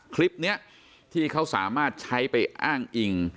คลิปนี้ที่เขาสามารถใช้ไปอ้างอิง